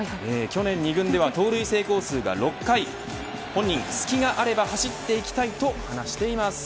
去年２軍では盗塁成功数が６回すきがあれば走っていきたいと話しています。